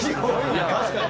確かに。